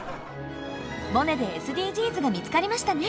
「モネ」でＳＤＧｓが見つかりましたね！